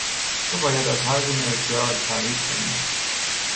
تو باید از هر گونه اعتیاد پرهیز کنی